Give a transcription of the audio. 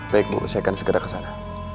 baik bu saya akan segera ke sana